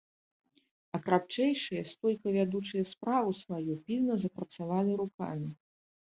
А крапчэйшыя, стойка ведучы справу сваю, пільна запрацавалі рукамі.